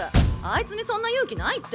あいつにそんな勇気ないって。